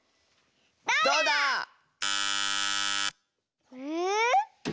どうだ⁉え。